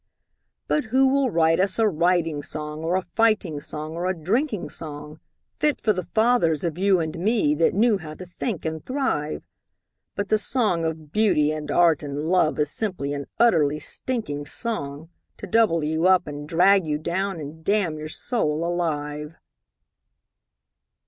But who will write us a riding song Or a fighting song or a drinking song, Fit for the fathers of you and me, That knew how to think and thrive? But the song of Beauty and Art and Love Is simply an utterly stinking song, To double you up and drag you down And damn your soul alive.